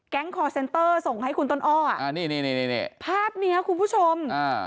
แก๊งคอร์เซนเตอร์ส่งให้คุณตนอ้อภาพนี้ครับคุณผู้ชม